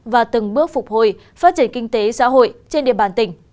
và từng bước phục hồi phát triển kinh tế xã hội trên địa bàn tỉnh